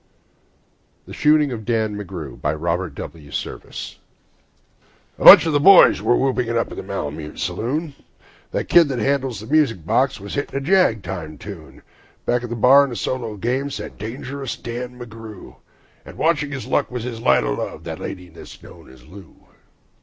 The Shooting of Dan McGrew A bunch of the boys were whooping it up in the Malamute saloon; The kid that handles the music box was hitting a jag time tune; Back of the bar, in a solo game, sat Dangerous Dan McGrew, And watching his luck was his light o' love, the lady that's known as Lou.